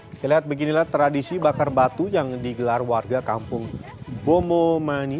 kita lihat beginilah tradisi bakar batu yang digelar warga kampung bomomani